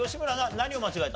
何を間違えた？